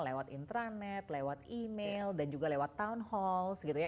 lewat internet lewat email dan juga lewat town halls gitu ya